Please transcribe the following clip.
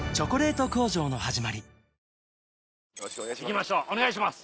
行きましょうお願いします。